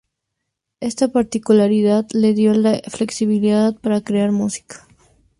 Esta particularidad le dió la flexibilidad para crear música.